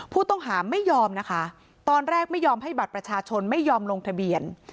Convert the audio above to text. ผู้ต้องหาไม่ยอมนะคะตอนแรกไม่ยอมให้บัตรประชาชนไม่ยอมลงทะเบียน